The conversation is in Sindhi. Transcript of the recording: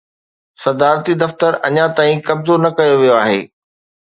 صدارتي دفتر اڃا تائين قبضو نه ڪيو ويو آهي